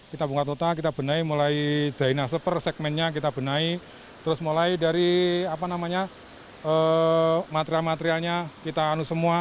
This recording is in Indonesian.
kita bongkar total kita benai mulai drainasenya per segmennya kita benai terus mulai dari material materialnya kita anu semua